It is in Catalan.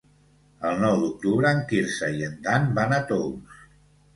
El nou d'octubre en Quirze i en Dan van a Tous.